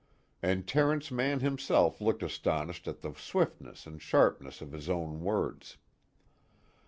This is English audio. And Terence Mann himself looked astonished at the swiftness and sharpness of his own words.